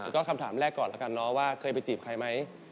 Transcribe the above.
ก็คำถามแรกก่อนแล้วกันเนาะว่าเคยไปจีบใครไหม